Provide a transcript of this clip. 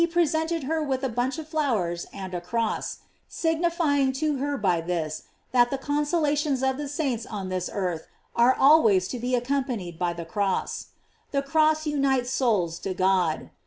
567" presented her with a bunch of flowers and * cross, signifying to her by this, that the con solations of the saints on this earth are always to be accompanied by the cross. The crofli unites souls to God.